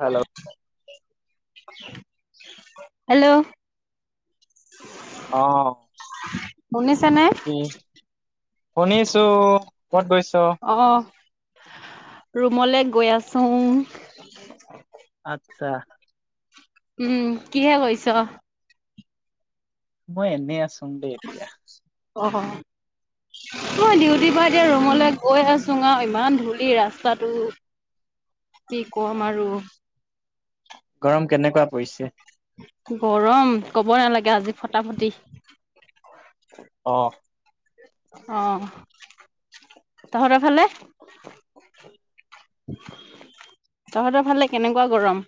Hello hello অ' শুনিছে নে? কি শুনিছো কত গৈছো। ৰুমলৈ গৈ আছো। আত্ছা। উম কিহে কৈছ? মই এনেই আছো দেই এতিয়া। অ, উম মই ডিউটিৰ পৰা এতিয়া ৰুমলৈ গৈ আছোঙ আহ ইমান ধূলি ৰাস্তাটো। [unintelligible] কি অ কম আৰু,, গৰম কেনেকুৱা পৰিছে? গৰম কব নালাগে আজি ফটাফটি। অ। অ তহতৰফালে? তহঁতৰ ফালে কেনেকুৱা গৰম?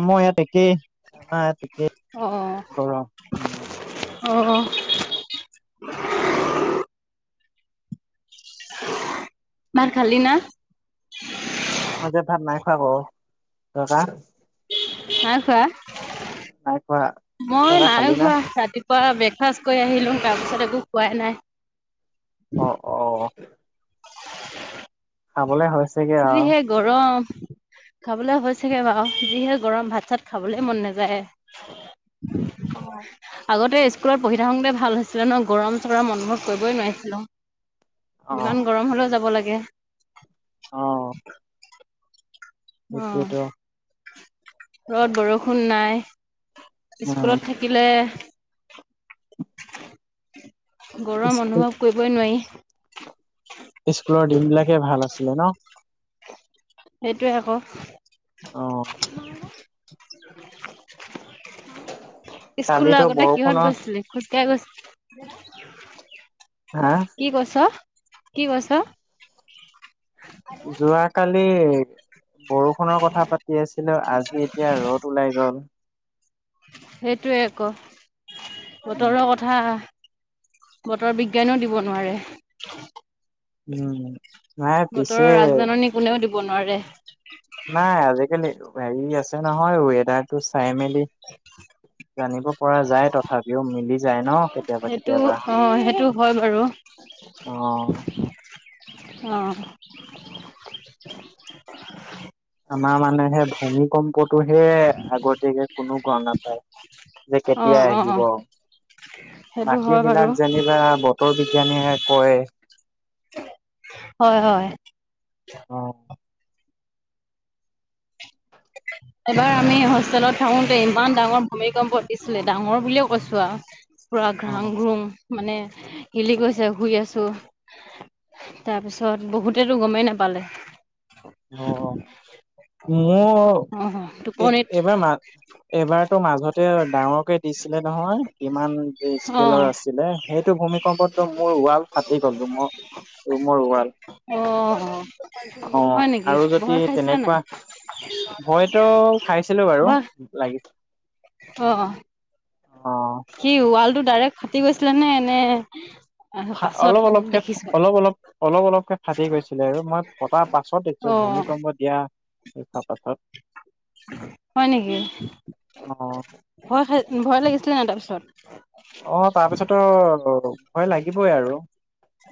আমাৰ ইয়াত একেই। আমাৰ ইয়াত একেই অহ, গৰম। অহ [unintelligible] ভাত খালি না? মই যে ভাত নাই খোৱা ক জনা। নাই খোৱা? হৈত [unintelligible] মই নাই ঘোৱা ৰাতিপুৱা। অ ব্ৰেকফাষ্ট কৰি আহিলোঁনং তাৰপিছত একো খোৱাই নাই। অ অ। [unintelligible] খাবলে হয়। যিহে গৰম। খাবলৈ হৈছেগে বাৰু, যিহে গৰম ভাত চাত খাবলে মন নাযায়। অ আগতে স্কুলত পঢ়ি থাকোঁতে ভাল হৈছিলে নহ, গৰম চৰম অনুভৱ কৰিবই নোৱাৰিছিলো। যিমান গৰম হলেও যাব লাগে। অ [inaudible] সেইটোৱেতো অ'। ৰদ বৰষুণ নাই। উম স্কুলত থাকিলে গৰম স্কুল অনুভৱ কৰিবই নোৱাৰি। স্কুলৰ দিন বিলাকে ভাল আছিলে ন? সেইটোয়ে আকৌ। অ স্কুললৈ কালিতো আগতে কিহত বৰষুণৰ গৈছিলি? খোজকাঢ়ি গৈছিলি? হা কি কৈছ? কি কৈছ? যোৱা কালি বৰষুণৰ কথা পাতি আছিলো, আজি এতিয়া ৰ'দ ওলাই গল। সেইটোৱে আকৌ, উম। বতৰৰ কথা বতৰ বিজ্ঞানেও দিব নোৱাৰে। নাই পিছে বতৰৰ আগজাননী কোনেও দিব নোৱাৰে। নাই আজিকালি হেৰি আছে নহয়, ৱেডাৰটো চাই মেলি [inaudible] জানিব পৰা যায় তথাপিও, মিলি যায় ন কেতিয়াবা সেইটো কেতিয়াবা। অ সেইটো হয় বাৰু অ', অ'। [unintelligible] আমাৰ মানে হেই ভূমিকম্পটোহে আগতীয়াকে কোনো গম নাপায়। যে কেতিয়া অ', অ', আহিব অ', সেইটো বাকী হয় বাৰু বিলাক যেনিবা বতৰ বি বিজ্ঞানে কয় হয় হয়। অ', এবাৰ আমি হোষ্টেলত থাকোতে ইমান ডাঙৰ ভূমিকম্প দিছিলে ডাঙৰ বুলিয়ে কৈছো আৰু পুৰা ঘ্ৰাং অ', ঘ্ৰং মানে হিলি গৈছে শুই আছো তাৰপিছত বহুতেতো গমেই নাপালে অ মোৰ অ তোপনিত এইবাৰতো মাজতে ডাঙৰকে দিছিলে নহয় কিমান অ', স্কেলৰ আছিলে সেইটো সেইটো ভূমিকম্পদটো মোৰ ওৱাল ফাটি গলো ম মোৰ ৰোমৰ ওৱাল অ হয় নেকি আৰু যদি ভয় খাইছিলা নাই? তেনেকুৱা ভয়তো খাইছিলো বাৰু ভয় লাগি অ অ কি ৱাল টো ডাইৰেক্ট ফাটি গৈছিলে নে পাছত অলপ অলপকে দেখিছা? অলপ অলপ অলপ অলপকে ফাটি গৈছিলে আৰু মই ফটাৰ পাছত দেখিছোঁ অ', ভূমিকম্প দিয়া তা পাছত হয় নেকি অ ভয় খাই ভয় লাগিছিলে নাই তাৰপিছত অ তাৰপিছতো ভয় লাগিবই আৰু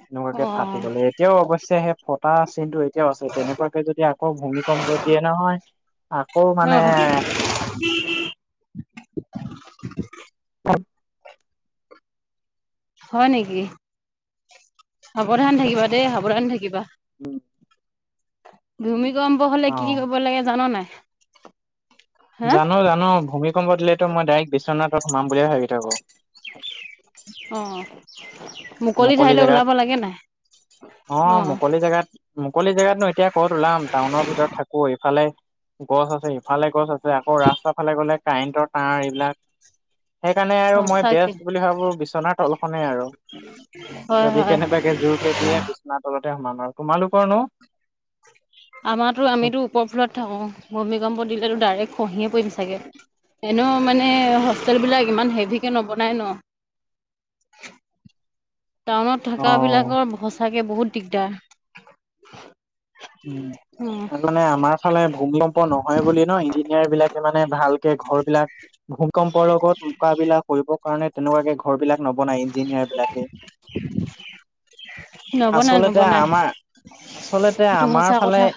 এনেকুৱাকে অ', ফাটি গলে এতিয়াও অবশ্যে ফটা চিনটো এতিয়াও আছে তেনেকুৱাকে যদি আকৌ ভূমিকম্প দিয়ে নহয় আকৌ মানে অহ। [unintelligible] হয় নেকি? সাৱধান থাকিবা দেই সাৱধান থাকিবা। উম। ভূমিকম্প হলে অ কি কি কৰিবব লাগে জান নাই? হা জানো জানো ভূমিকম্প দিলেতো মই ডাইৰেক্ট বিশ্বনাথক সোমাম বুলিয়ে ভাবি থাকো। অ' মুকলি ঠাইলৈ ওলাব লাগে নাই। অ' মুকলি জেগাত, মুকলি জেগাতনো এতিয়া ক'ত ওলাম টাউনৰ ভিতৰত থাকো এইফালে গছ আছে ইফালে গছ আছে আকৌ ৰাস্তা ফালে গলে কাৰেণ্টৰ তাঁৰ এইবিলাক। সেইকাৰণে আৰু মই সঁচাকে বেচ বুলি ভাবো বিচনাৰ তলখনে আৰু। হয় যদি হয়। কেনেবাকে জোৰকে দিয়ে বিচনা তলতে সমান আৰু, তোমালোকৰ নো? আমাৰো আমিতো উপফ্লৰট থাকো, ভূমিকম্প দিলেতো ডাইৰেক্ট খঁহিয়ে পৰিম চাগে। এনেও মানে হোষ্টেলবিলাক ইমান হেভিকে নবনায় ন। টাউনত থকা অ বিলাকৰ সঁচাকে বহুত দিগদাৰ। উম, উম, মানে আমাৰ ফালে ভূমিকম্প নহয় বুলি ন ইঞ্জিনিয়াৰ বিলাকে মানে ভাল ঘৰ বিলাক ভূিকম্পৰ লগত মোকাবিলা কৰিবৰ কাৰণে তেনেকুৱাকে ঘৰ বিলাক নবনাই ইঞ্জিনিয়াৰ বিলাকে। নবনাই আচলতে নবনাই আমাৰ আচলতে সেইটো আমাৰ সঁচা ফালে কথা।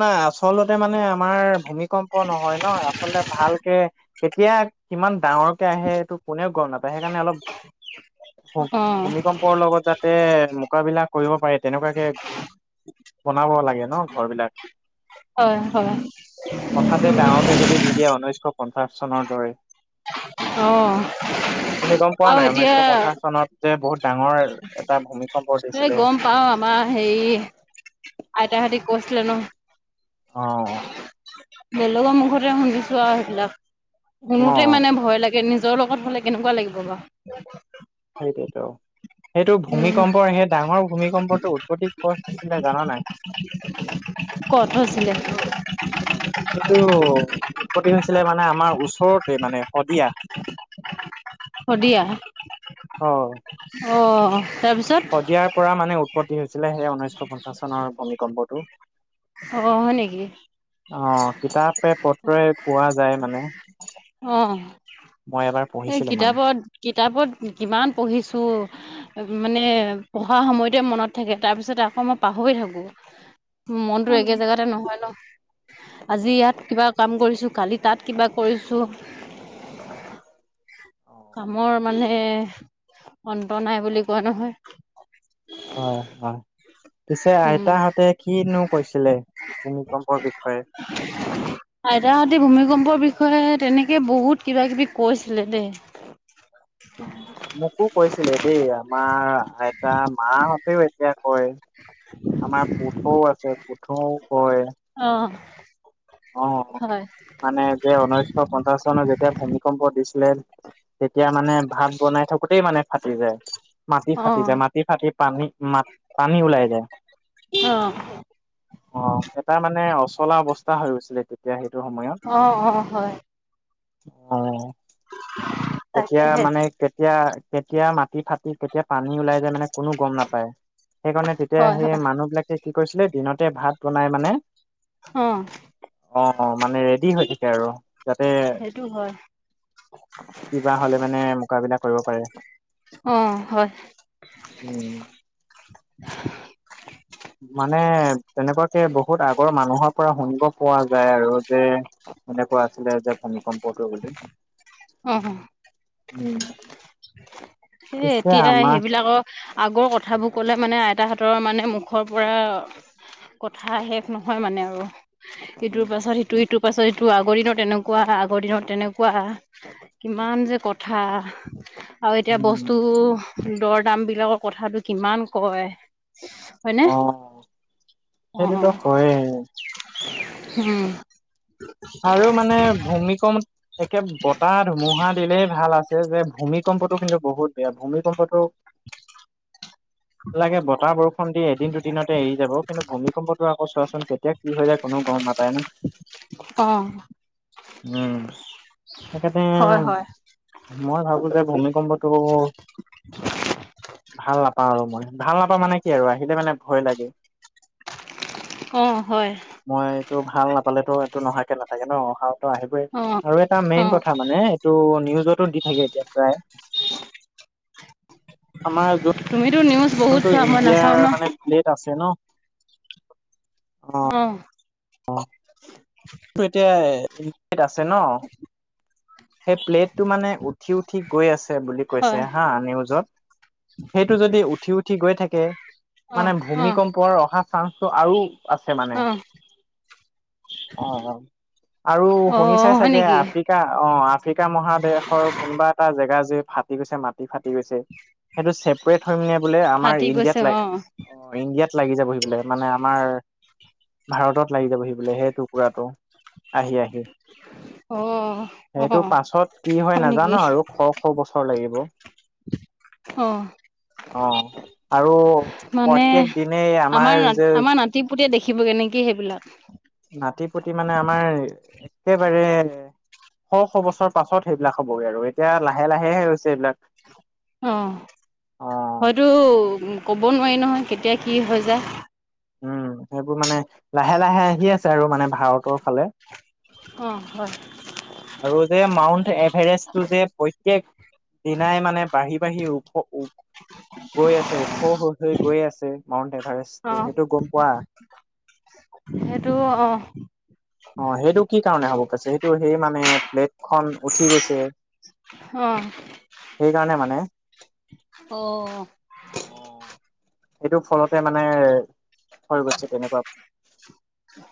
নাই আচলতে মানে আমাৰ ভূমিকম্প নহয় ন আচলতে ভালকে কেতিয়া কিমান ডাঙৰকে আহে এইটো কোনেও গম নাপায়, সেইকাৰণে অলপ অ' ভূমিকম্পৰ লগত যা মোকাবিলা কৰিব পাৰে তেনেকুৱাকে বনাব লাগে ন ঘৰ বিলাক। হয় হয়। হঠাতে ডাঙৰকে যদি দি দিয়া উনৈশ পঞ্চাছ চনৰ দৰে। উম, তুমি গম অ' পোৱা আৰু নাই উনৈশশ এতিয়া পঞ্চাশ চনত যে বহুত ডাঙৰ এটা ভূমিকম্প এই দিছিলে গম পাও আমাৰ হে আইতা হতি কচল ন। অ'। বেলেগৰ মুখতে শুনিছো আৰু সেইবিলাক, অ শুনোতে মানে ভয় লাগে নিজ যৰ লগত হাললে কেনেকুৱা লাগিব বা। সেইটোৱেতো সেইটো উম ভূমিকম্পৰ সেই ডাঙৰ ভূমিকম্পটো উৎপত্তি কষ্ট আছিলে জানা নাই? ক'ত হৈছিলে? এইটো উৎপত্তি হৈছিলে মানে আমাৰ ওচৰতে মানে শদিয়া। শদিয়া অ অ'। তাৰপিছত শদিয়াৰ পৰা মানে উৎপত্তি হৈছিলে সে ঊনৈশ পঞ্চাশ চনৰ ভূমিকম্পটো। অ'। হয় নেকি অহ কিতাপে পত্ৰই পোৱা যায় মানে। অ' মই এবাৰ এই পঢ়িছিলো মানে কিতাপত কিতাপত কিমান পঢ়িছো। মানে পঢ়া সময়তে মনত থাকে তাৰ পিছত আকৌ মই পাহৰি থাকো। মনতো অ', একে জেগাতে নহয় ন, আজি ইয়াত কিবা কাম কৰিছো কালি তাত কিবা কৰিছোঁ। কামৰ মানে অন্ত নাই বুলি কোৱা নহয়। হয় হয়। পিছে উম আইতাহঁতে কিনো কৈছিলে ভূমিকম্পৰ বিষয়ে? আইতাহতি ভূমিকম্পৰ বিষয়ে তেনেকে বহুত কিবা কিবি কৈছিলে দেই। মোকো কৈছিলে দেই, আমাৰ আইতা, মাহতেও এতিয়া কয়, আমাৰ পুঠৌও আছে, পুঠৌও কয়। অ অ', হয় মানে, যে ঊনৈশ পঞ্চাশ চনত, যেতিয়া ভূমিকম্প দিছিলে তেতিয়া মানে, ভাত বনাই থাকোতেই মানে ফাটি যায়। মাটি অ ফাটি যায়, মাটি ফাটি পানী, মাট, পানী ওলাই যায়। অ অ', এটা মানে অচলা অৱস্থা হৈ গৈছিলে। তেতিয়া সেই অ', অ', হয়। অ'। এতিয়া তাকেহে মানে, কেত তিয়া, কেতিয়া মাটি ফাটি, কেতিয়া পানী ওলাই যায় মানে, কোনো গম নাপায়। সেইকাৰণে, তেতিয়া হয় সেই হয় মানুহ বিলাকে কি কৰিছিলে, দিনতে ভাত বনাই মানে অ অ' মানে ৰেডি হৈ থাকে আৰু। যাতে সেইটো হয়। কিবা হ'লে মানে মোকাবিলা কৰিব পাৰে। অ হয় উম। মানে তেনেকুৱাকে বহুত আগৰ মানুহৰ পৰা শুনিব পোৱা যায় আৰু যে এনেকুৱা আছিলে যে ভূমিকম্পটো বুলি। অ' হ। উম। এ পিছে এতিয়া আমাৰ সেইবিলাক আগৰ কথাবোৰ ক'লে মানে আইতাহঁতৰ মানে মুখৰ পৰা কথা শেষ নহয় মানে আৰু। ইটোৰ উম পাছত সিটো ইটোৰ পাছত টো, আগৰ দিনত এনেকুৱা, আগৰ দিনত তেনেকুৱা, কিমান যে কথা। আৰু এতিয়া উম বস্তু দৰ-দামবিলাকৰ কথাটো কিমান কয়। হয়নে? অ অ'- সেইটোতো হয়ে অ'। হুম। আৰু মানে ভূমিকম- একে বতাহ ধুমুহা দিলেই ভাল আছে যে ভূমিকম্পটো কিন্তু বহুত বেয়া। ভূমিকম্পটো লাগে বতাহ-বৰষুণ দিয়ে দিন দুদিনতে এৰি যাব। কিন্তু ভূমিকম্পটো আকৌ চোৱাচোন, কেতিয়া কি হৈ যায় কোনো গম নাপায় ন'। অ'। উম, সেইকাৰণে হয়, হয়, মই ভাবোঁ যে ভূমিকম্পটো ভাল নাপাওঁ আৰু মই ভাল নাপাওঁ মানে কি আৰু আহিলে মানে ভয় লাগে। অ', হয়, মই এইটো ভাল নাপালেতো এইটো নহাকে নাথাকে ন অহা আহিবই অ', আৰু এটা মেইন অ', কথা মানে এইটো নিউজতো দি থাকে এতিয়া প্ৰায় আমাৰ য তুমিতো নিউজ বহুত যোনটো চোৱা মই নাচাওঁ ন ইণ্ডিয়াৰ মানে প্লেট আছে ন অ'। [unintelligible] এতিয়া আছে ন সেই প্লেটটো মানে উঠি উঠি গৈ আছে বুলি কৈছে হয়, হা নিউজত সেইটো যদি উঠি উঠি গৈ থাকে মানে অ', অ', ভূমিকম্প অহা চান্সটো আৰু আছে মানে। অ', অ', অ', আৰু অ', শুনিচাই হয় চাগে নেকি? আফ্ৰিকা অ', আ আফ্ৰিকা মহাদেশৰ কোনোবা এটা জেগা যে ফাটি গৈছে মাত [unintelligible] ফাটি গৈছে, সেইটো চেপৰেট হৈ মানে বোলে আমাৰ ফাটি ইণ্ডিয়াত গৈছে ল অ', অ', ইণ্ডিয়াত লাগি যাবহি বোলে, মানে আমাৰ ভাৰতত লাগি যাবহি বোলে সেই টুকুৰাটো আহি আহি। অ', সেইটো অ', পাছত কি হয় নাজানো আৰু, শ শ বছৰ লাগিব। অ অহ আৰু মানে প্ৰত্যেক দিনেই আমাৰ না যে আমাৰ নাতি পুতে দেখ দেখিব নেকি সেইবিলাক কেবাৰে শ, শ বছৰ পাছত সেইবিলাক হবগৈ আৰু এতিয়া লাহে লাহেহে হৈছে এইবিলাক অ', অ হয়তো ক'ব নোৱাৰি নহয় কেতিয়া কি হৈ যা উম, সেইবোৰ মানে লাহে, লাহে আহি আছে আৰু মানে ভাৰতৰ ফালে অ', হয় আৰু যে মাউণ্ট এভাৰেষ্টটো যে প্ৰত্যয়েক দিনাই মানে বাঢ়ি, বাঢ়ি উম গৈ আছে ওখ হৈ, হৈ, গৈ আছে মাউণ্ট এভাৰেষ্ট টো অ', সেইটো গম পোৱা [inaudible] সেইটো অ', অ', সেইটো কি কাৰণে হ'ব পৈছেটো টো সেই মানে প্লেট খ উঠি গৈছে অ', সেইকাৰণে মানে অ', এইটো ফলতে মানে হৈ গৈছে তেনেকুৱা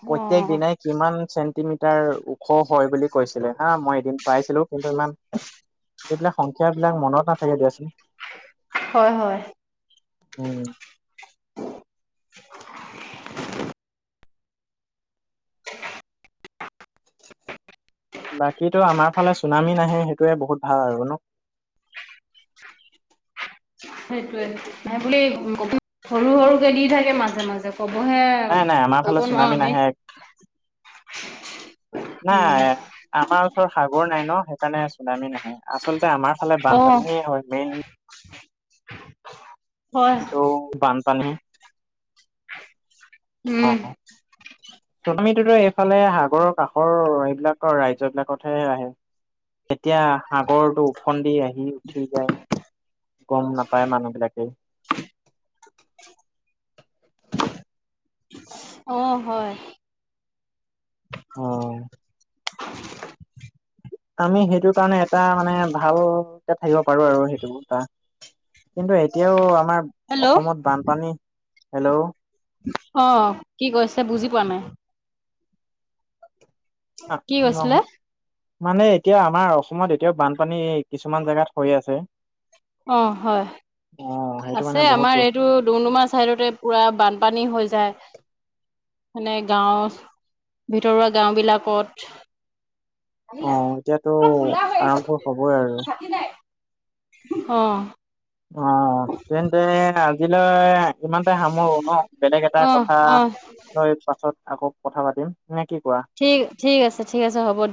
প্ৰত্যেক অ', দিনাই কিমান চেণ্টিমিটাৰ ওখ হয় বুলি কৈছিলে হা মই এদিন পাইছিলো কিন্তু ইমান এইবিলাক সংখ্যাবিলাক মনত নাথাকে দিয়াচোন হয়, হয় উম [unintelligible] বাকীতো আমাৰ ফালে চুনামী নাহে সেইটোৱে বহুত ভাল আৰু ন সেইটোৱে নাই বুলি সৰু, সৰুকে দি থাকে মাজে, মাজে ক'বহে নাই নাই আমাৰ ফালে কৰিব নোৱাৰো চুনামি আমি নাহে নাই, আমাৰ ওচৰত সাগৰ নাই ন সেইকাৰণে চুনামি নাহে আচলতে আমাৰ ফালে অ', বানপানীহে হয় মেইন [unintelligible] কিন্তু বানপানহে অ', উম, চুনামীত স এইফালে সাগৰৰ কাষৰ এইবিলাক ৰাজ্য বিলাকতহে আহে তেতিয়া সাগৰটো ওফন্দি আহি উঠি যায় গম নাপায় মানুহ বিলাকে অ', হয় অ', আমি সেইটো কাৰণে এটা মানে ভালকে থাকিব পাৰো আৰু সেইটোটা কিন্তু এতিয়াও আমাৰ হেল্ল'। অসমত বানপানী হলেও অ', কি কৈছে বুজি পোৱা নাই, কি, নহ কছিলে মানে এতিয়া আমাৰ অসমত এতিয়াও বানপানী কিছুমান জেগাত হৈ আছে আহ, হয় অ সেইটো আছে মানে বহুত আমাৰ দুখ এইটো ডুমডুমাৰ চাইডতে পুৰা বানপানী হৈ যায় মনেে গাওঁ ভিতৰুৱা গাঁওবিলাকত অ আহিলা এতিয়াতো খোলা হয় আহ আৰম্ভ ছাকটো হবই আৰু ছাকি নাই আহ, অ', তেন্তে আজিলৈ ইমানতে সামৰো ন বেলেগ এটা অ', কথা অ', লৈ পাছত আকৌ কথা পাতিম নে কি কোৱা? ঠিক, ঠিক আছে, ঠিক আছে হ'ব দিয়ক